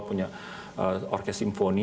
punya orke simfoni